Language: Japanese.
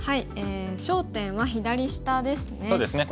焦点は左下ですね。